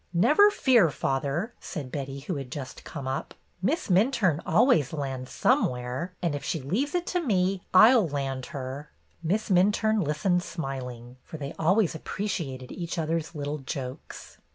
"Never fear, father," said Betty, who had just come up, "Miss Minturne always lands somewhere, and if she leaves it to me. I'll land her." Miss Minturne listened smiling, for they always appreciated each other's little jokes.